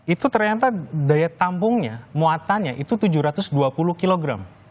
itu ternyata daya tampungnya muatannya itu tujuh ratus dua puluh kg